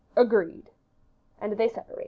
"Agreed." And they separa